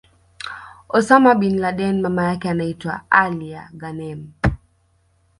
Osama bin Laden Mama yake anaitwa Alia Ghanem